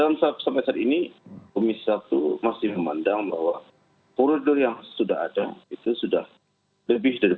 nah sampai saat ini komisi sabtu masih memandang bahwa kurudur yang sudah ada itu sudah lebih dari cukup